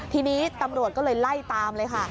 ทีนี้ตำรวจก็เลยไล่ตามเลยค่ะ